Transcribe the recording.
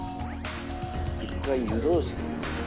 「一回湯通しする」